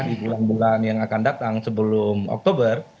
di bulan bulan yang akan datang sebelum oktober